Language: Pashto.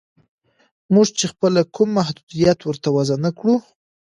موږ چې خپله کوم محدودیت ورته وضع نه کړو